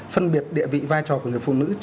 phân biệt địa vị vai trò của người phụ nữ